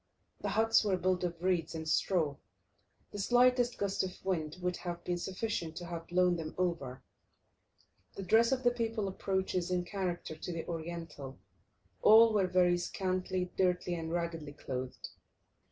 The huts were built of reeds and straw; the slightest gust of wind would have been sufficient to have blown them over. The dress of the people approaches in character to the Oriental; all were very scantily, dirtily, and raggedly clothed.